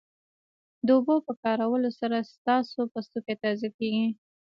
د اوبو په کارولو سره ستاسو پوستکی تازه کیږي